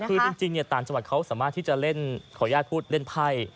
คือจริงต่างจังหวัดเขาสามารถที่จะเล่นขออนุญาตพูดเล่นไพ่